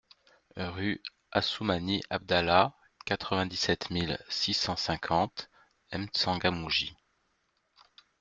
Rue Assoumani Abdallah, quatre-vingt-dix-sept mille six cent cinquante M'Tsangamouji